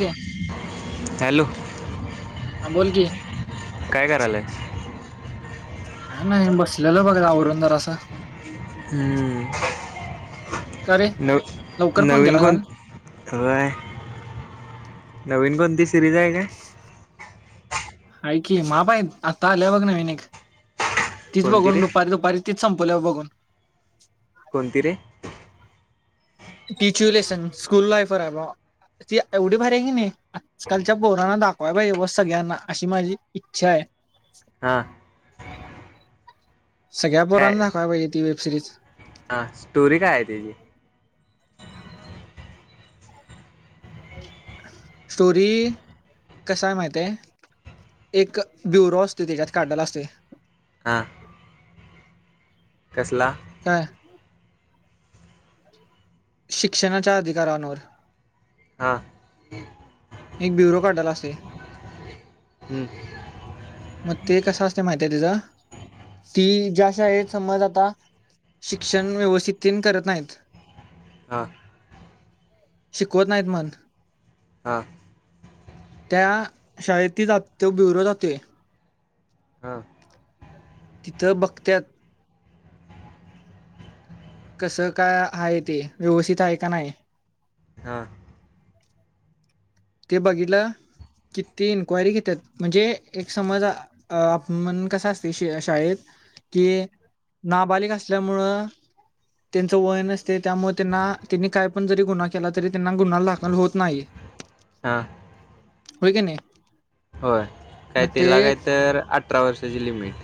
रे हा हॅलो बोल की काय करायलय नाय बसलेलो बघ आवरून जरासा हम्म का रे नव लवकर फोन नवीन केलास कोण आज खर हाय नवीन कोणती सिरीज आहे काय? हाय की मा पाय आता आल्या बघ ना नवीन एक तीच कोणती बघून रे दुपारी दुपारी तीचं संपल्याव बघून कोणतीे रे? टीच यु लेसन लाईफ वर आहे भावा ती एवढी भारी आहे की नाही आजकालच्या पोरांना दाखवा पाहिजे बुआ सगळ्यांना अशी माझी इच्छा आहे. हा सगळ्या पोरांना दाखवाय पाहिजे ती वेब सिरीज ह स्टोरी काय हाय त्याजी स्टोरी कसा हाय माहित हाय. एक ब्युरो असतो. त्याच्यात काढलेला असतोय हा कसला? हा शिक्षणाच्या अधिकारांवर हा एक ब्युरो काढलेला असतोय. हं म ते कस असतय माहिती आहे त्येजा ती ज्या शाळेत समज आता शिक्षण व्यवस्थिततीन करत नाहीत. हा शिकवत नाहीत म्हण हा त्या शाळेत ती जात तो ब्युरो जातोय. हा तिथं बघत्यात कसं काय आहे ते व्यवस्थित हाय का नाही. हा ते बघितलं की ती इन्क्वायरी घेत्यात म्हणजे एक समज आ मन कस असतय शाळेत की नाबालिक असल्यामुळं त्यांच वय नसतय त्यामुळ त्यांना त्यांनी काय पण जरी गुन्हा केला तरी त्यांना गुन्हा दाखल होत नाही. हा होय की नाय होय. काय तिला काय तर अठरा वर्षाची लिमिट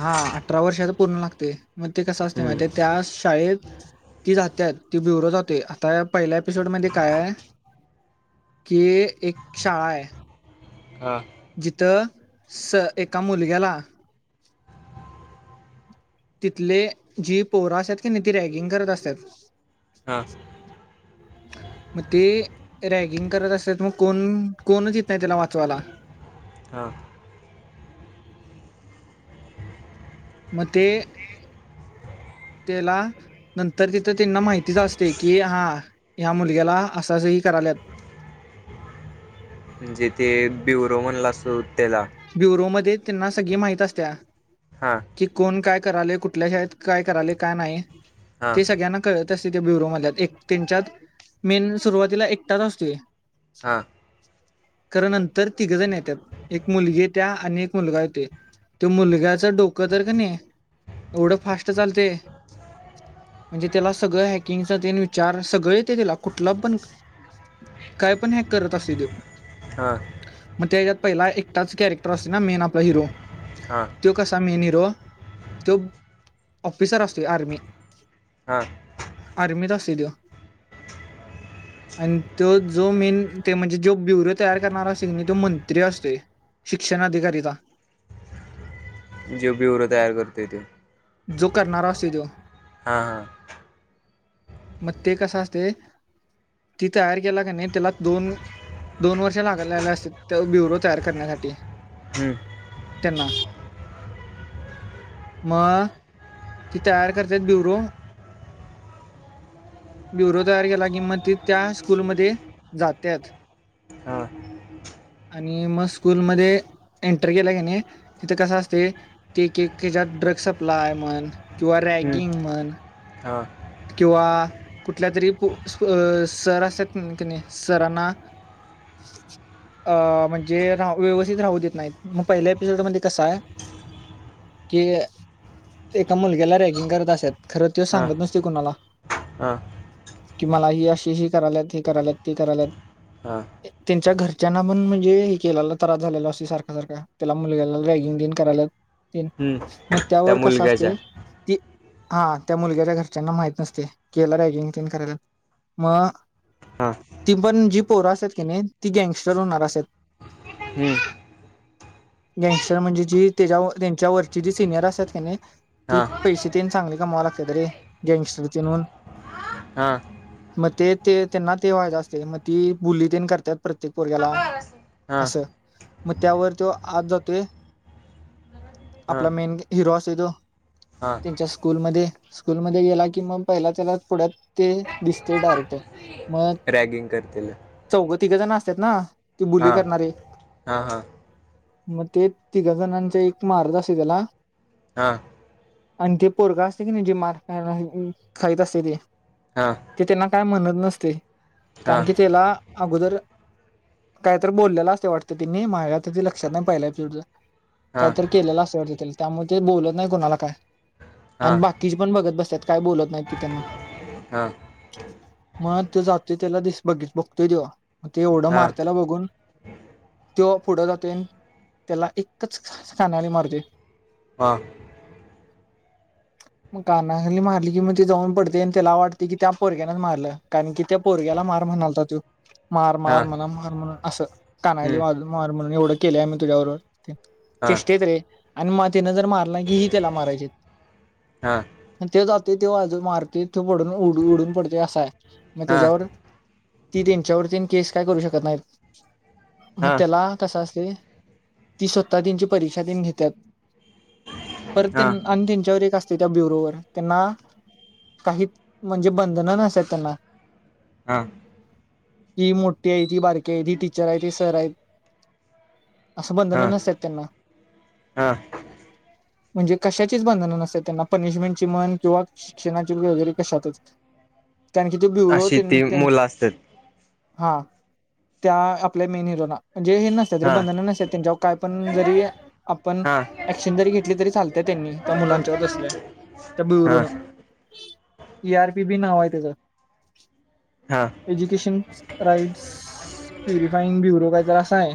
हा अठरा वर्ष आता पूर्ण लागतय मग ते कस असतय माहितीय हं त्या शाळेत ती जात्यात ती ब्युरो जातोय आता पहिल्या एपिसोडमध्ये काय ये. की एक शाळा हाय. हा. जिथं स एका मुलग्याला तिथले जी पोहरा असत्यात की नाही ती रॅगिंग करत असतात. हा. मग ते रॅगिंग करत असत्यात मग कोण कोणच येत नाही त्याला वाचवायला हा. म ते [unintelligible] त्याला नंतर तिथं त्यांना माहितीच असते की हा ह्या मुलग्याला असंअसही करालेत. [unintelligible] [inaudible] म्हणजे तेे बिवरो म्हणला असल. ब्युरोमध्ये त्यांना सगळी माहित असतया हां की कोण काय? करालय कुठल्या शाळेत काय करालय काय नाही हां ते सगळ्यांना कळत असते त्या ब्युरो वाल्या एक त्यांच्यात मेन सुरुवातीला एकटाच असतोय. हा. कारण नंतर तिघंजण येत्यात एक मुलगी ईत्या आणि एक मुलगायेतोय त्या मुलग्याच डोकं तर कनी एवढं फास्ट चालते. म्हणजे त्याला सगळं हॅकिंगचा तेन विचार सगळे येत तेला कुठला पण काय पण हॅक करत असतय त्यो हां मग त्याच्यात पहिला एक त्याच कॅरेक्टर असते ना मेन आपला हिरो हां तो कसा मेन हिरो तो ऑफिसर असते आर्मी हां आर्मीत असतय त्यो [inaudible] आणि तो जो मेन ते म्हणजे जो ब्युरो तयार करणार असतोय कि नायी तो मंत्री असतोय. शिक्षणाधिकारी ता जे ब्युरो तयार करतय त्यो जो करणारा असतोय त्यो हा हा. मग ते कस असतय. ति तयार केला का नाई त्याला दोन दोन वर्ष लागालेले असतेत ब्युरो तयार करण्यासाठी हं, त्यांना मग ती तयार करतेत ब्युरो [inaudible] ब्युरो तयार केला कि मग ते त्या स्कूलमध्ये जातेत. ह. आणि मग स्कूलमध्येध्ये एंटर केला गने तिथे कस असते तेच्यात ड्रग सप्लाय म्हण किंवा हं, रॅगिंग म्हण. हां किंवा कुठल्या तरी सर असत क सरांना [inaudible] अ म्हणजे राह व्यवस्थित राहू देत नाहीत मग पहिल्या एपिसोडमध्येध्ये कसा आहे. कि एका मुलग्याला रॅगिंग करत अस खर त हां सांगत नस. कुणाला हां कि मला ह अशी ह करालात हे करात ते करालात. हां त्यांच्या घरच्यांना पण म्हणजे हे केलेला त्रास झालेला असे सारखा सारखा त्याला मुलगला रॅगिंग न करायला. हम्म. मग त्यावर कस असते ती हा त्या मुलग्याच्या घर माह नंग क म हां ती पण जी पोरं असत की नाही ती गँगस्टर होणार असत. हं, गँंगस्टर म्हणजे जी त्यांच्यावरची जे सिनियर असतात का नाही ती हां पैसे तेन चांगली कमाव लागते रे गँंगस्टरचे नून हां मग ते ते त्यांना ते व्हायचं असते मग ती बुली तेन करतात प्रत्येक बोरग्याला हां असं मग त्यावर तो आज जातोय हां आपला मेन हिरो येतो हां त्यांच्या स्कूलमध्ये स्कूल मध्ये गेला कि मग पहिला त्याला पुढ ते दिसते डायरेक्टर मग रॅगिंग करतील चौघं तिघं जण असत ना ती बुली हा करणारे हा हा मग ते तिघ जणांचा एक मारत असे त्याला हा आणि ते पोरगा असते की नाही जे मार खाईत असते ते हा ते त्यांना काय म्हणत नसते कारण की त्याला अगोदर कायत बोललेला असते वाटत तिनी माझ्या त लक्षात नाही पाहिला कायत केलेलं असं वाटत त्या त्यामुळे ते बोलत नाही कोणाला काय हां आणि बाकी बघत बसतत काय बोलत नाही त्यांना हा मग तो जातोय त्याला दिस बघित बघतोय तेव्हा मग ते एवढं हां मारताला बघून तो पुढे जाते त्याला एकच खाण्याने मारते हा मग कानाखाली मारली की मग ते जाऊन पडते आणि त्याला वाटते की त्या पोरग्यानेच मारलं कारण की त्या पोरग्याला मार म्हणालता त मार मार हां म्हणा मार म्हणून असं कनाली हं, वाजून मार म्हणून एवढं केले आहे मी तुझ्याबरोबर हां तेचेष्टेत रे आणि मातेनं जर मारला की हि त्याला मारायचे हा ते जाते तेव आजू मारते त पडून उड उडून पडते असा आहे मग हां त्याच्यावर ती त्यांच्यावरती केस काय करू शकत नाहीत मग हां त्याला कसा अस ती स्वतः त्यांची परीक्षा त घेतात परत हां त्यां आणि त्यांच्यावर एक असते त्या ब्युरोवर त्यांना काही म्हणजे बंधन नस त्यांना हां ती मोठी आहे ती बारकी आहे ती टीचर आहे ते सर आहेत असं बंधन हां नसतात त्यांना हां म्हणजे कशाचीच बंधन नसत त्यांना पनिशमेंट ची म्हन किंवा शिक्षणाची वगैरे कशातच कारखी तो ब्युरो अशी ती मुलं असतात हा त्या आपल्या मेन हिरोला म्हणजे हे नसत तरी हां बंधन नसतात त्यांच्यावर काय पण जरी आपण हां ॲक्शन जरी घेतली तरी चालतय त्यांनी त्या मुलांच्यावर तसल्या त्या हां ब्युरोन - इ आर पी बी नाव आहे त्याच हां - एज्युकेशन राईट्स प्युरिफाईंग ब्युरो काहीतर अस आहे.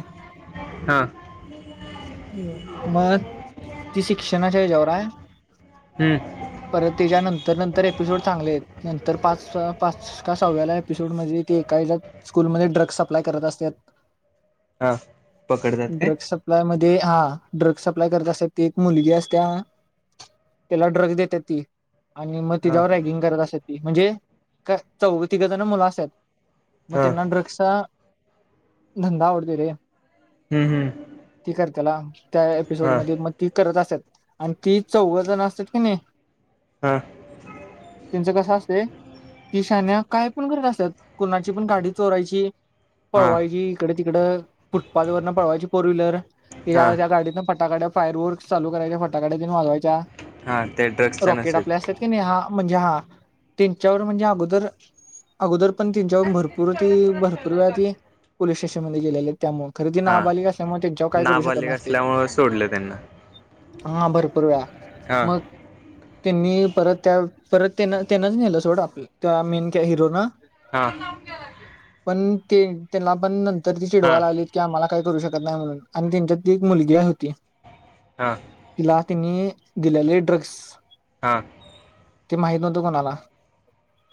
हा. मग ती शिक्षणाच्या ह्याच्यावर आहे. हं! त्याच्यानंतर नंतर एपिसोड चांगले नंतर पाच का पाच साव्ह्याला एपिसोड म्हणजे ते एका स्कूलमध्ये ड्रग्स सप्लाय करत असतात. हा पकडतात काय ड्रग्स सप्लाय मध्ये हा - ड्रग्स सप्लाय करत असत. ती एक मुलगी असत्याय तिला ड्रग्स देतात ती! आणि मग हा तिच्यावर रॅगिंग करत असेत, ती म्हणजे चौघ तिघ जण मुलं असतात. हा मे ना ड्रग्स धंदा आवडतो रे हम्म हम्म ती कर त्याला त्या हा एपिसोडमध्ये मग ती करत असत आणि ती चौव जण असत कि नाही हा त्यानचं कसं असतेय. ती शान्या काय पण करत असत, कुणाची पण गाडी चोरायची. हा पळवायची इकडे तिकडं फुटपाथ वरन पळवायची फोर व्हीलर. हा त्या गाडीतनं फटाकड्या फार वर्क चालू करायच्या फटाकड्या तेन वाजवायच्या. हा ते ड्रग्सच्या रॉकेट आपले नशेत असतात की नाही हा म्हणजे हा त्यांच्यावर म्हणजे अगोदर. अगोदर पण तिच्यावर भरपूर ती भरपूर वेळा ती. पोलीस स्टेशनमध्ये गेलेले त्यामुळे खरे ती हा नाबालिक असतात. त्यामुळे ते जोक् काय करू शकत नाबालिक नसते. असल्यामुळे सोडलं त्यांना हा भरपूर वेळा. हा! मग त्यांनी परत त्या परत त्यांना त्यांनाच नेलं सोडं आपल त्या मेन हिरो न. हा! पण ते त्यांना पण नंतर ती चिडवा हा लागली की, आम्हाला काय करू शकत नाही, म्हणून आणि त्यांच्यात ती मुलगी. या होती. हं [inaudible] तिला तिने दिलेले ड्रग्स. ते माहित नव्हतं कोणाला,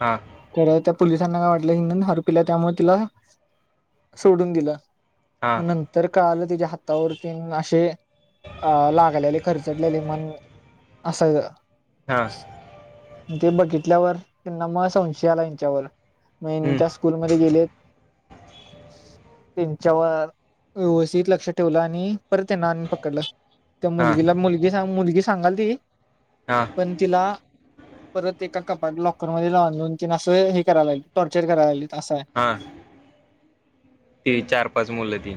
हा हा तर त्या पोलिसांना काय वाटलं कि, हरवल्या त्यामुळे तिला. सोडून दिला मग नंतर. काल तिच्या हातावरती असे अ आ लागलेले खरचडलेले मन. आसयच. हा ते बघितल्यावर त्यांना मग संशय आला यांच्यावर. म ह्यानी त्या स्कूलमध्ये गेलेत. ठुशय [inaudible] त्यांच्यावर व्यवस्थित लक्ष ठेवलं, आणि परत त्यांना आणून पकडलं. त्या हा मुलगीला मुलगी मुलगी सांगालती हा पण तिला. परत एका कपाट लॉकरमध्ये लावून लादुन किन असं हे, करायला लागले टॉर्चर कराय लागल असं आहे. हा ती चार, पाच मुलं ती.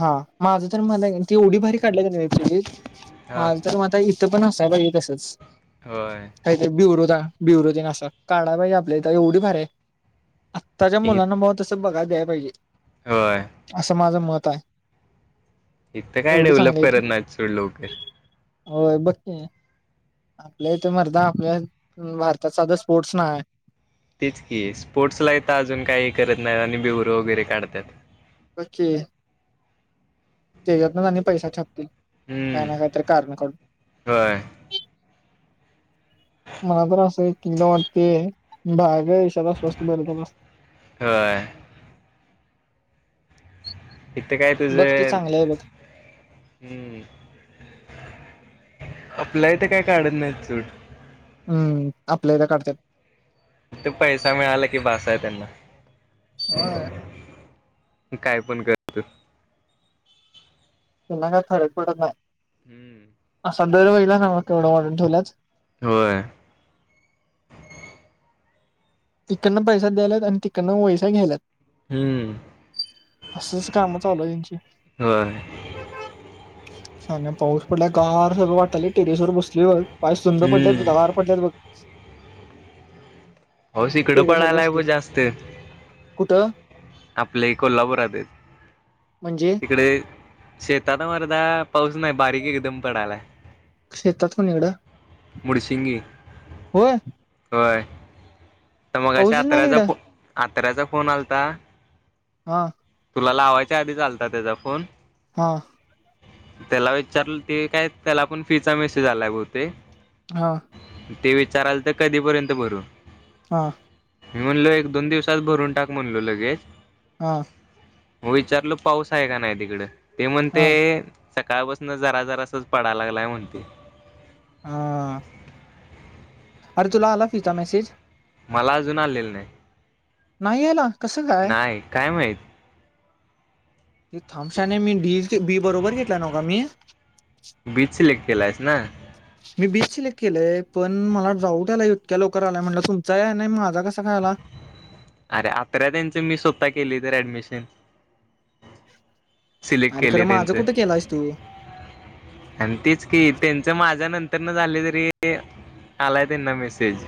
हा माझ तर मला ती एवढी भारी काढलीय हा माझ तर [unintelligible] मत हाय ते पण असायला पाहिजे तसच. होय का ते बिवरोदा बिवरोदीनं काढायला पाहिजे आपल्या तर एवढी भारी आहे. आत्ताच्या इ मुलांना मो तस बघायला द्यायला पाहिजे. होय असं माझं मत. तः इथं काय डेव्हलप करत नाय सोड लवकर. होय बघ की. आपल्या इथ मर्दा आपल्या भारतात साधा स्पोर्ट्स नाय. तेच की, स्पोर्ट्सला इ तर अजून काही करत नाही आणि ब्युरो वगैरे काढतात. बघ की. त्याच्यातन आणि पैसा छापतील काय हम्म न काय तर कारण करडून. होय, मला तर असं एक एकेदा वाटतेय भागा लास वस्तू मत [unintelligible] होय. एक तर काय तुझ बघ की चांगलं आहे बघ हम्. आपल्या इथ काय काढत नाही सोड. हम्म आपल्या इत काढत्यात. ते पैसा मिळाला की, बसा आहे, त्यांना. होय. काय पण करतो. त्यांना काय फरक पडत नाही. हम्म. सध्या वहिला सांग केवढं मॉर् ठेवलात. होय इकडनं पैसा द्यालात आणि तिकडनं वैसा घेलात हम्म असंच काम चालू आहे यांची हो शान्या पाऊस पडला गार सगळं वाटाले टेरेसवर बसलीवरग पाय सुंद पडलेत हम्म. गर पडल्यात बघ हो श इकडं टेरेसवर पडायलाय ब बसलोय जास्त कुठं आपले कोल्हापुरात म्हणजे इिकडे शता मार आ पाऊस नाही बारीक एकदम पडायला शेतात पण इकडं मुडसिंगी होय होय तर मग अशा पाऊसच नाही आतरा्याचा तिकडं फ आतऱ्याचा फोन आलता हा तुला लावायच्या आधी चालत त्याचा फोन हा त्याला विचारलं ते काय त्याला पण फीचा मेसेज आलाय बहते हा ते विचाराल तर कधीपर्यंत भरू हा मी म्हणलो एक दोन दिवसात भरून टाक म्हणलो लगेच हा म विचारल पाऊस आहे का नाही तिकड ते म्हणते हा सकाळपसून जरा जरासच पडायला लागलाय म्हणते हा अरे तुला आला फिचा मेसेज मला अजून आलेलं नाही नाही याला नाही काय माहित थमशने मी बी बरोबर घेतला न का मी बीच सिलेक्ट केलायस ना मी बीच सिलेक्ट केलेय पण मला डाऊट आला इतक्या लवकर आलाय म्हटलं तुमचा नाही माझा कसा काय आला अरे अत्र त्यांचं मी स्वतः केली तर ऍडमिशन सिलेक्ट अरे केले खरं माझं त्यांचे कुठं केलायस तू आणि तेच कि त्यांच माझा नंतर झाले तरी आलाय त्यांना मेसेज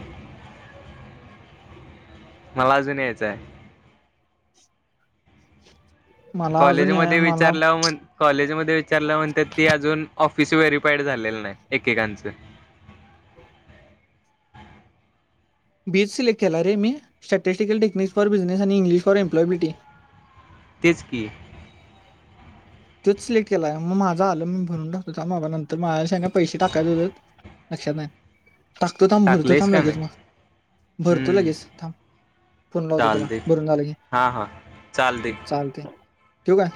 मला अजून यायचंय मला अजून हे- कॉलेजमध्येध्ये मला विचारल्या म्हण कॉलेजमध्येध्ये विचारलं म्हणत ती अजून ऑफिस व्हेरीिफाईड झालेलं नाही एकेकांचं बीएस सिलेक्ट केला र मी स्टॅटिस्टिकल टेक्निकस फॉर बिझनेस आणि इंग्लिश फॉर एम्पलॉयिलटी तेचकीी तोच सिलेक्ट केला मग माझा आलं मी भरून टाकतो नंतर मला सांगा पैसे टाकायच होात लक्षात नाही टाकतो थांब भरतो टाकलंयस थांब का लगेच नाही मग भरतो हम्म लगेच थांब फोन लावत तुला चालते भरून झालं की हां हां चालते चालते ठेव काय